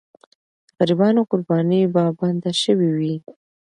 د غریبانو قرباني به بنده سوې وي.